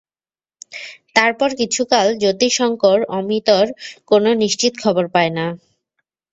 তার পর কিছুকাল যতিশংকর অমিতর কোনো নিশ্চিত খবর পায় না।